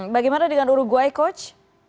bagaimana dengan uruguay coach